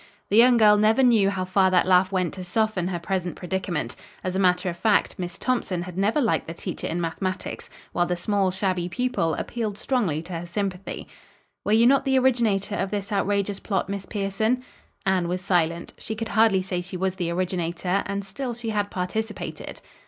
The young girl never knew how far that laugh went to soften her present predicament. As a matter of fact, Miss Thompson had never liked the teacher in mathematics, while the small, shabby pupil appealed strongly to her sympathy. "Were you not the originator of this outrageous plot, Miss Pierson?" Anne was silent. She could hardly say she was the originator and still she had participated.